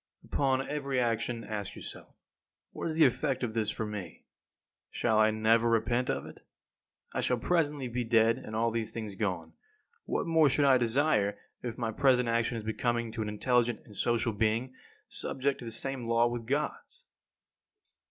2. Upon every action ask yourself, what is the effect of this for me? Shall I never repent of it? I shall presently be dead, and all these things gone. What more should I desire if my present action is becoming to an intelligent and a social being, subject to the same law with Gods?